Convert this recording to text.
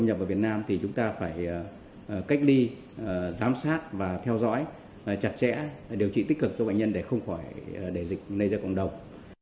điều trị tích cực cho bệnh nhân để không khỏi dịch nây ra cộng đồng